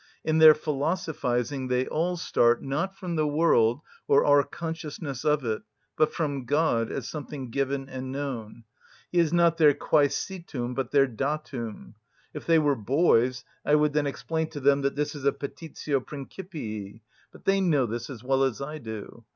In their philosophising they all start, not from the world or our consciousness of it, but from God, as something given and known; He is not their quæsitum, but their datum. If they were boys I would then explain to them that this is a petitio principii, but they know this as well as I do.